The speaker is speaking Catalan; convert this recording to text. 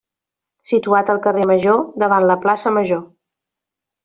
Situat al carrer Major, davant la plaça Major.